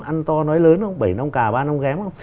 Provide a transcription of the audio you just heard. ăn to nói lớn bảy nông cà ba nông ghém